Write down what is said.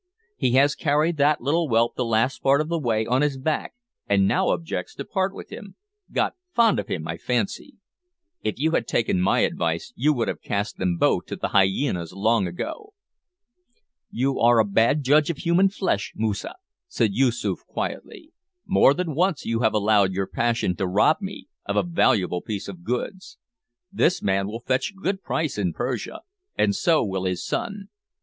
He has carried that little whelp the last part of the way on his back, and now objects to part with him, got fond of him, I fancy. If you had taken my advice you would have cast them both to the hyenas long ago." "You are a bad judge of human flesh, Moosa," said Yoosoof, quietly; "more than once you have allowed your passion to rob me of a valuable piece of goods. This man will fetch a good price in Persia, and so will his son.